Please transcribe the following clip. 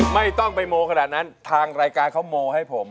ไม่ต้องไปโมขนาดนั้นทางรายการเขาโมให้ผม